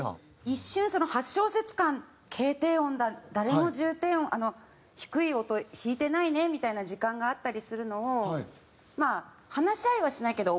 一瞬その８小節間軽低音だ誰も重低音低い音弾いてないねみたいな時間があったりするのをまあ話し合いはしないけど。